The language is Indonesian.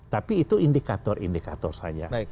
tapi itu indikator indikator saja